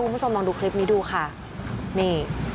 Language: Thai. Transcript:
คุณผู้ชมลองดูคลิปนี้ดูค่ะนี่